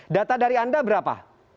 data dari anda berapa